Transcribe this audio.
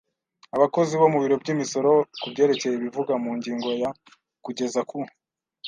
Abakozi bo mu biro by imisoro ku byerekeye ibivugwa mu ngingo ya kugeza ku